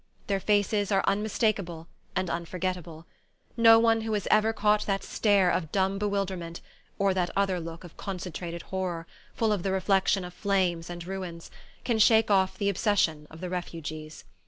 Their faces are unmistakable and unforgettable. No one who has ever caught that stare of dumb bewilderment or that other look of concentrated horror, full of the reflection of flames and ruins can shake off the obsession of the Refugees.